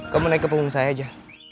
kamu naik ke punggung saya aja